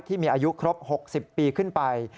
ที่มีอายุครบ๖๐ปีขึ้นไป